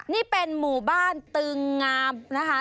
นี่เป็นหมู่บ้านตึงงามนะคะ